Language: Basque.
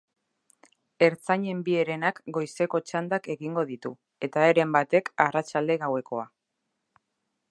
Ertzainen bi herenak goizeko txandak egingo ditu, eta heren batek arratsalde-gauekoa.